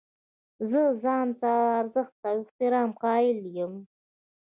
زه ځان ته د ارزښت او احترام قایل یم.